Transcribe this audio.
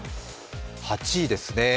８位ですね。